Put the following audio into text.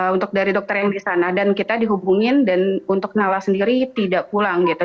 untuk dari dokter yang di sana dan kita dihubungin dan untuk nala sendiri tidak pulang gitu